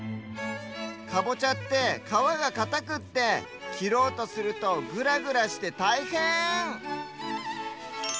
かぼちゃってかわがかたくってきろうとするとグラグラしてたいへん！